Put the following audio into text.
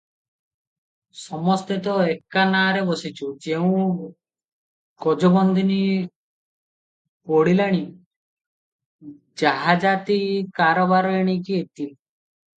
ସମସ୍ତେ ତ ଏକା ନାରେ ବସିଛୁଁ - ଯେଉଁ ଗଜବନ୍ଧନୀ ପଡ଼ିଲାଣି, ଜାହାଜାତି କାରବାର ଏଣିକି ଇତି ।